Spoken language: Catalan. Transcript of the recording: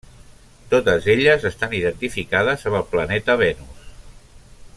Totes elles estan identificades amb el planeta Venus.